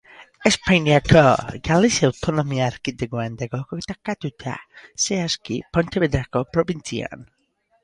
Espainiako, Galizia Autonomia erkidegoan dago kokatuta, zehazki Pontevedrako probintzian.